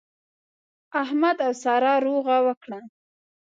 احمد او سارا روغه وکړه.